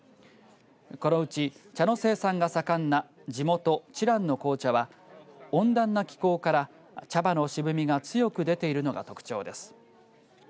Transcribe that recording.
このうち、茶の生産が盛んな地元、知覧の紅茶は温暖な気候から茶葉の渋みが強く出ているのが特徴です。